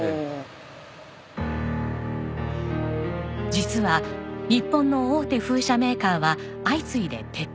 実は日本の大手風車メーカーは相次いで撤退。